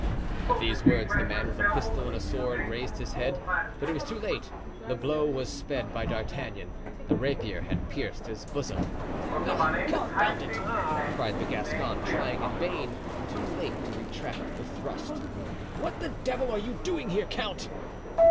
At these words the man with a pistol and sword raised his head, but it was too late. The blow was sped by D'Artagnan; the rapier had pierced his bosom. "Ah! confound it!" cried the Gascon, trying in vain, too late, to retract the thrust. "What the devil are you doing here, count?"